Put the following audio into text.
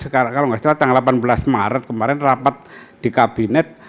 kalau nggak salah tanggal delapan belas maret kemarin rapat di kabinet